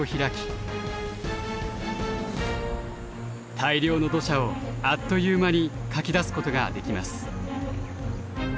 大量の土砂をあっという間にかき出すことができます。